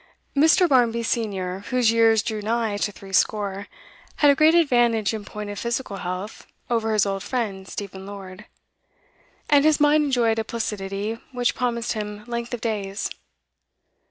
Mr. Barmby, senior, whose years drew nigh to three score, had a great advantage in point of physical health over his old friend Stephen Lord, and his mind enjoyed a placidity which promised him length of days.